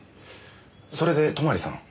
それで泊さん。